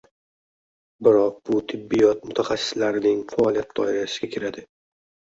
biroq bu tibbiyot mutaxassislarining faoliyat doirasiga kiradi.